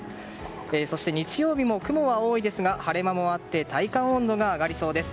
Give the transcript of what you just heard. そして、日曜日も雲は多いですが晴れ間もあって体感温度が上がりそうです。